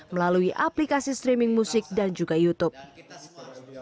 melalui aplikasi streaming musik dan juga youtube